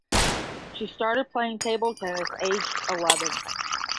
She started playing table tennis aged eleven.